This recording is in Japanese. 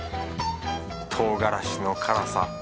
唐辛子の辛さ